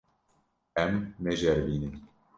Em naceribînin.